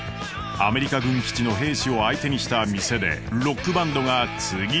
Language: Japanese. アメリカ軍基地の兵士を相手にした店でロックバンドが次々と誕生。